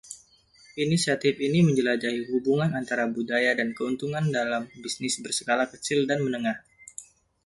Inisiatif ini menjelajahi hubungan antara budaya dan keuntungan dalam bisnis berskala kecil dan menengah.